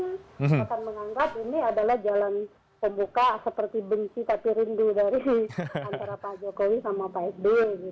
saya akan menganggap ini adalah jalan pembuka seperti benci tapi rindu dari antara pak jokowi sama pak sby